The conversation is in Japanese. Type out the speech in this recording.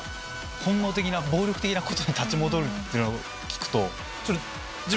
本能的な暴力的なことに立ち戻るっていうのを聞くと。